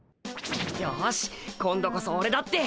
よし今度こそオレだって。